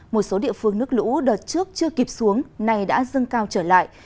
một số địa phương nước lũ đợt trước chưa kịp xuống nay đã dâng cao trở lại